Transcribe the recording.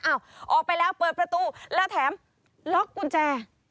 ออกไปแล้วเปิดประตูแล้วแถมล็อกกุญแจ